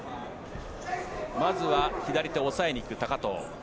まずは左手、抑えに行く高藤。